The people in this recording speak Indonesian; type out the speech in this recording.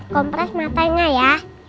kompres matanya ya